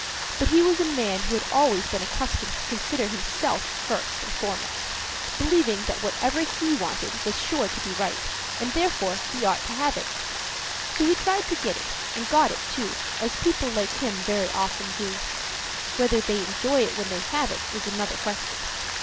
But he was a man who had always been accustomed to consider himself first and foremost, believing that whatever he wanted was sure to be right, and therefore he ought to have it. So he tried to get it, and got it too, as people like him very often do. Whether they enjoy it when they have it is another question.